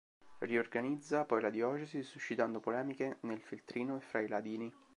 Riorganizza poi la diocesi, suscitando polemiche nel feltrino e fra i ladini.